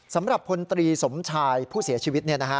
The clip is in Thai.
สำหรับพลตรีสมชายผู้เสียชีวิต